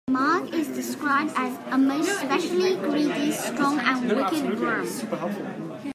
Smaug is described as "a most specially greedy, strong and wicked wyrm".